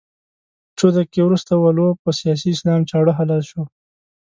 څو دقيقې وروسته ولو په سیاسي اسلام چاړه حلال شو.